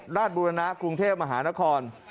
บุรณะกรุงเทพมหานคร